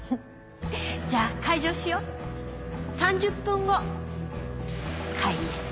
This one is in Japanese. じゃあ開場しよう３０分後開演。